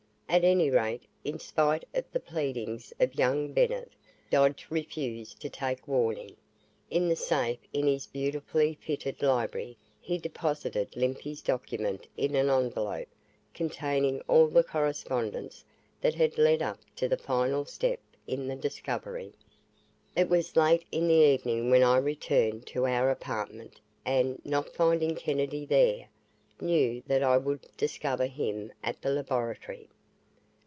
At any rate, in spite of the pleadings of young Bennett, Dodge refused to take warning. In the safe in his beautifully fitted library he deposited Limpy's document in an envelope containing all the correspondence that had lead up to the final step in the discovery. ........ It was late in the evening when I returned to our apartment and, not finding Kennedy there, knew that I would discover him at the laboratory.